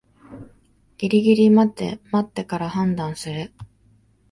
ギリギリまで待ってから判断する